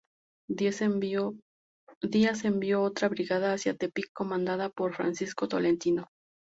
Díaz envió otra brigada hacia Tepic, comandada por Francisco Tolentino.